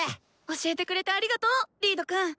教えてくれてありがとうリードくん！